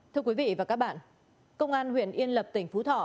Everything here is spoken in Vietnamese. thưa quý vị và các bạn công an huyện yên lập tỉnh phú thọ